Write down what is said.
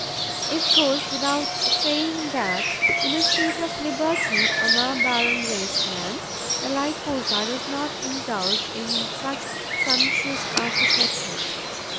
It goes without saying that, in a state of liberty, on our barren waste lands, the Lycosa does not indulge in such sumptuous architecture.